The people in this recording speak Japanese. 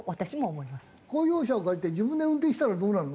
公用車を借りて自分で運転したらどうなるの？